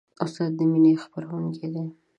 استاد د مینې خپروونکی دی.